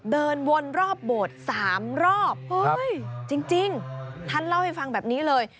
เดินวนรอบโบสถ์๓รอบจริงท่านเล่าให้ฟังแบบนี้เลย